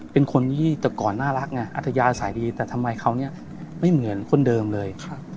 เป็นคนที่แต่ก่อนน่ารักไงอัธยาสายดีแต่ทำไมเขาเนี่ยไม่เหมือนคนเดิมเลย